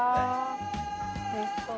おいしそう。